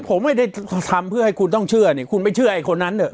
ผมไม่ได้ทำเพื่อให้คุณต้องเชื่อเนี่ยคุณไม่เชื่อไอ้คนนั้นเนี่ย